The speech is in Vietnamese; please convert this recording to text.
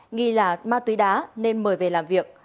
nghi là ma túy đá nên mời về làm việc